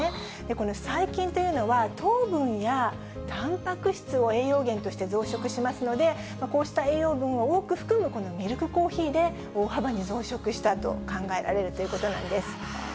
この細菌というのは、糖分やたんぱく質を栄養源として増殖しますので、こうした栄養分を多く含む、このミルクコーヒーで大幅に増殖したと考えられるということなんです。